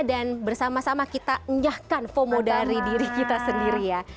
dan bersama sama kita nyahkan fomo dari diri kita sendiri ya